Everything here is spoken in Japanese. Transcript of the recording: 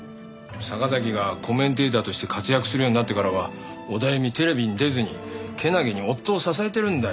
坂崎がコメンテーターとして活躍するようになってからはオダエミテレビに出ずにけなげに夫を支えてるんだよ。